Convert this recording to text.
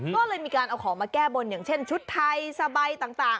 ก็เลยมีการเอาของมาแก้บนอย่างเช่นชุดไทยสบายต่าง